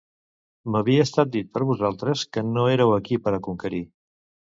M'havia estat dit per vosaltres que no éreu aquí per a conquerir.